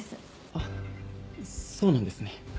あっそうなんですね。